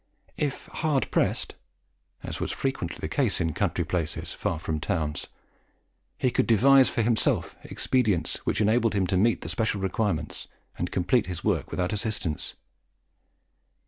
If hard pressed, as was frequently the case in country places far from towns, he could devise for himself expedients which enabled him to meet special requirements, and to complete his work without assistance.